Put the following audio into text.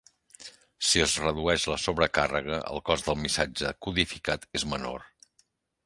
Si es redueix la sobrecàrrega, el cos del missatge codificat és menor.